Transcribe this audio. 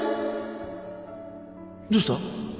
どうした？